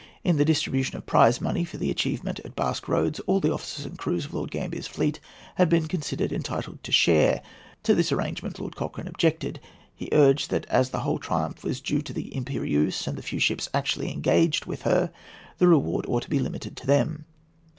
In the distribution of prize money for the achievement at Basque Roads all the officers and crews of Lord Grambier's fleet had been considered entitled to share. To this arrangement Lord Cochrane objected. He urged that as the whole triumph was due to the Impérieuse and the few ships actually engaged with her, the reward ought to be limited to them.